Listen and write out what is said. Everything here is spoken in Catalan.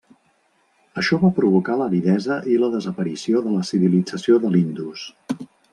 Això va provocar l'aridesa i la desaparició de la civilització de l'Indus.